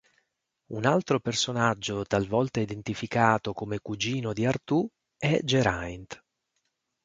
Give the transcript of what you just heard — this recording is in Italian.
Un altro personaggio talvolta identificato come cugino di Artù è Geraint.